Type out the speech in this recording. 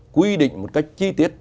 quy định một cách chi tiết